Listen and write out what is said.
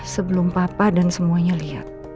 sebelum papa dan semuanya lihat